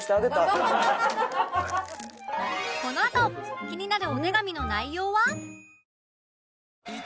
このあと気になるお手紙の内容は？